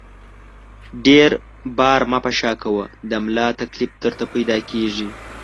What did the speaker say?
ډېر بار مه په شا کوه ، د ملا تکلیف درته پیدا کېږي!